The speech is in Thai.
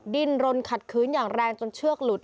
ดิ้นรนขัดคืนอย่างแรงจนเชือกหลุด